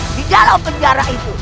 di dalam penjara itu